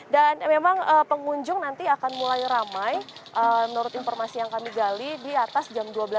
dan memang pengunjung nanti akan mulai ramai menurut informasi yang kami gali di atas jam empat belas